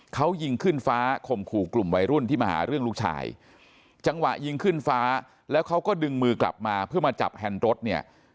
เขายิงขึ้นฟ้าข่มขู่กลุ่มวัยรุ่นที่มาหาเรื่องลูกชายจังหวะยิงขึ้นฟ้าแล้วเขาก็ดึงมือกลับมาเพื่อมาจับแฮนด์รถเนี่ย